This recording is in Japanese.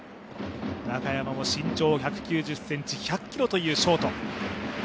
中山も身長１９０ｃｍ、１００ｋｇというショート。